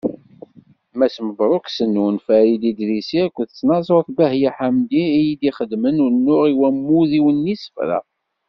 Mass Mebruk Sennun, Farid Idrisi akked tnaẓurt Bahiya Ḥamdi i yi-d-ixedmen unuɣ i wammud-iw n yisefra.